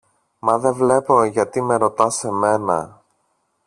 Μα δε βλέπω γιατί με ρωτάς εμένα